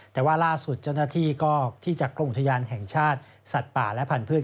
แต่ว่าล่าสุดเจ้าหน้าที่ก็ที่จากกรมอุทยานแห่งชาติสัตว์ป่าและพันธุ์